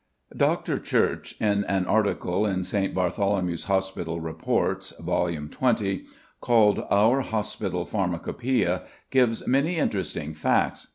Dr. Church, in an article in St. Bartholomew's Hospital Reports (vol. xx.), called "Our Hospital Pharmacopœia," gives many interesting facts.